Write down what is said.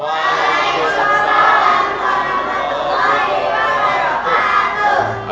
walaikumsalam warahmatullahi wabarakatuh